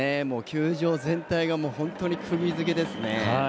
球場全体が本当にくぎ付けですね。